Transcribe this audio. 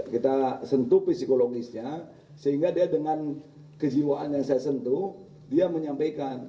kita sentuh psikologisnya sehingga dia dengan kejiwaan yang saya sentuh dia menyampaikan